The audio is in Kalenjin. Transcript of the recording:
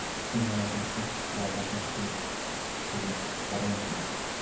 Tinye robishe kabotishe chita oree nyu.